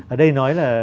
ở đây nói là